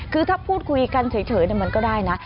คือถ้าพูดคุยกันเฉยมันก็ได้นะ